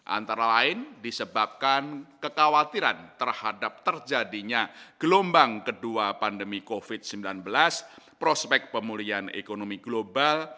antara lain disebabkan kekhawatiran terhadap terjadinya gelombang kedua pandemi covid sembilan belas prospek pemulihan ekonomi global